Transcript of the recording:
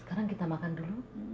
sekarang kita makan dulu